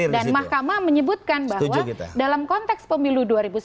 dan mahkamah menyebutkan bahwa dalam konteks pemilu dua ribu sembilan belas